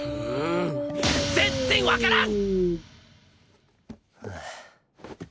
全っ然わからん！